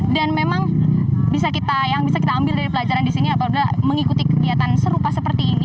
dan memang yang bisa kita ambil dari pelajaran di sini adalah mengikuti kegiatan serupa seperti ini